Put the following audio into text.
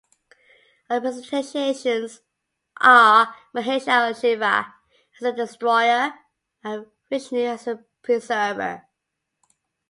Other representations are Mahesha or Shiva as the "Destroyer" and Vishnu as the "Preserver".